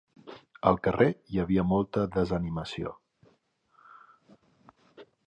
Al carrer hi havia molta desanimació.